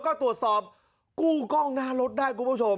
ก็ตรวจสอบกู้กล้องหน้ารถได้คุณผู้ชม